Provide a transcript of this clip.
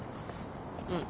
うん。